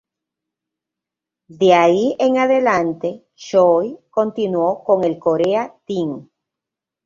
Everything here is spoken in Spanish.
De ahí en adelante, Choi continuó con el Korea Team.